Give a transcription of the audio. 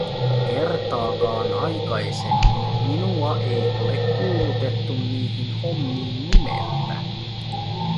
Kertaakaan aikaisemmin minua ei ole kuulutettu niihin hommiin nimeltä.